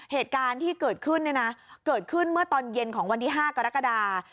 เหตุการณ์ที่เกิดขึ้นเนี่ยนะเกิดขึ้นเมื่อตอนเย็นของวันที่๕กรกฎา